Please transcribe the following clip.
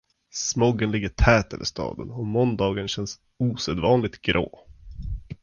Smogen ligger tät över staden och måndagen känns osedvanligt grå.